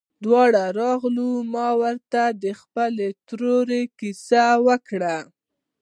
دواړه ورغلو ما ورته د خپلې تورې كيسه وكړه.